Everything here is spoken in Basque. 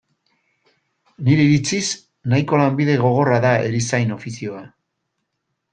Nire iritziz, nahiko lanbide gogorra da erizain ofizioa.